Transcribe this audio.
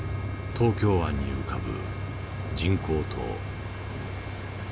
東京湾に浮かぶ人工島。